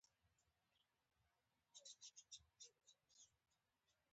زه چې له امريکا راغلی يم؛ چا پر لاس اوبه نه دې راتېرې کړې.